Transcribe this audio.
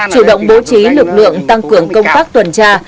chủ động bố trí lực lượng tăng cường công tác tuần tra